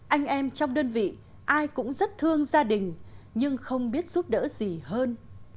anh em trong đơn vị ai cũng rất thương gia đình nhưng không biết giúp đỡ gì hơn